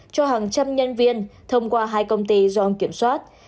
cho hàng trăm nhân viên thông qua hai công ty do ông kiểm soát